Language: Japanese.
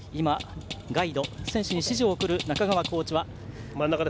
ガイド、選手に指示を送る中川コーチ。